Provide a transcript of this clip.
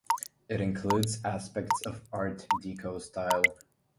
It includes aspects of Art Deco style.